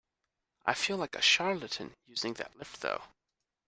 I feel like a charlatan using that lift though.